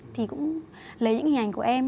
thì cũng lấy những hình ảnh của em